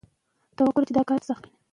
او نه منل يي بي اطاعتي ده